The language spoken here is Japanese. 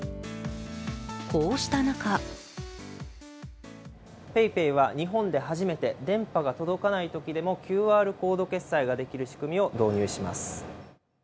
こうした中ＰａｙＰａｙは日本で初めて電波が届かないときでもＱＲコード決済ができる仕組みを導入します。